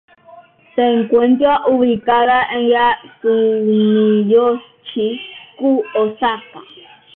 Se encuentra ubicada en Sumiyoshi-ku, Osaka.